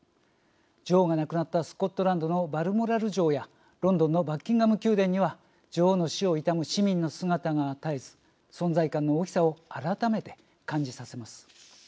女王が亡くなったスコットランドのバルモラル城やロンドンのバッキンガム宮殿には女王の死を悼む市民の姿が絶えず存在感の大きさを改めて感じさせます。